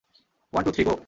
One, two, three, go!